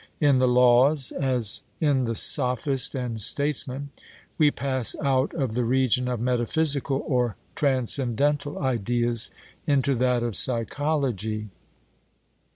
In the Laws, as in the Sophist and Statesman, we pass out of the region of metaphysical or transcendental ideas into that of psychology.